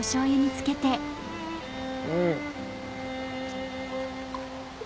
うん。